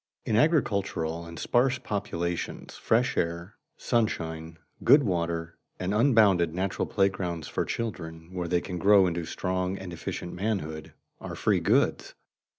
_ In agricultural and sparse populations fresh air, sunshine, good water, and unbounded natural playgrounds for children, where they can grow into strong and efficient manhood, are free goods.